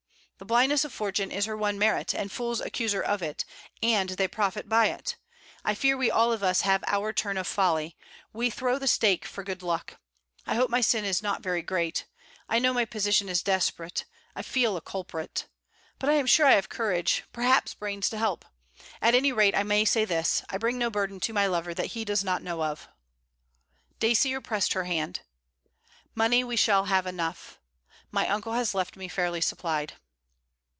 The blindness of Fortune is her one merit, and fools accuse her of it, and they profit by it! I fear we all of us have our turn of folly: we throw the stake for good luck. I hope my sin is not very great. I know my position is desperate. I feel a culprit. But I am sure I have courage, perhaps brains to help. At any rate, I may say this: I bring no burden to my lover that he does not know of.' Dacier pressed her hand. 'Money we shall have enough. My uncle has left me fairly supplied.'